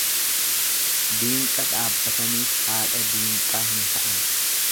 Diinqa dhaabbataniif haadha diinqaa hin ta'an.